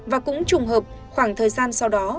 và cũng trùng hợp khoảng thời gian sau đó